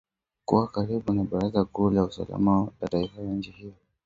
kuwa karibu na baraza kuu la usalama la taifa la nchi hiyo